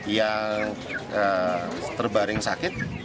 yang terbaring sakit